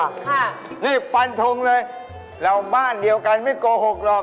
ค่ะรีบฟันทงเลยเราบ้านเดียวกันไม่โกหกหรอก